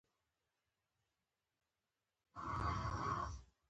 تالابونه د افغانستان د طبیعي زیرمو یوه لویه برخه ده.